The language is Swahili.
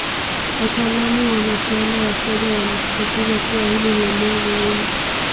Wataalamu wa masuala ya fedha wanasisitiza kuwa hili ni eneo muhimu